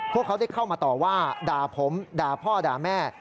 พวกเขาได้เข้ามาต่อว่าด่าผมด่าพ่อด่าแม่